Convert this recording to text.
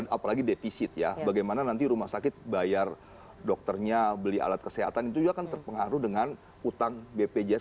apalagi defisit ya bagaimana nanti rumah sakit bayar dokternya beli alat kesehatan itu juga akan terpengaruh dengan utang bpjs